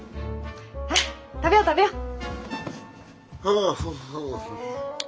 ほら食べよう食べよう！